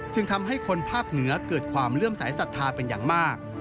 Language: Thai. จึงทำให้คนภาคเหนือเกิดความเลื่อมสายศรัทธาเป็นอย่างมาก